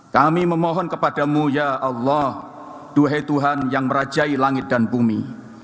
kami memohon kepadamu ya allah duhai tuhan yang merajai langit dan bumi